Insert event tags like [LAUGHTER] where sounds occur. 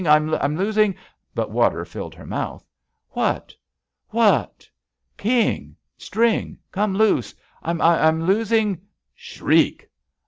— I'm losing —" But water filled her mouth. "What? What?" "King! — string— come loose! I'm — I'm losin —!" [NOISE]